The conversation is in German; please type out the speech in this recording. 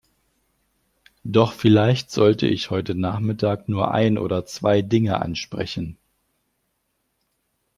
Doch vielleicht sollte ich heute nachmittag nur ein oder zwei Dinge ansprechen.